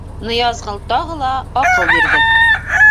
Ныязғол тағы ла аҡыл бирҙе: